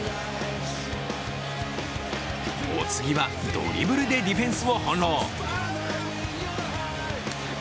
お次は、ドリブルでディフェンスを翻弄。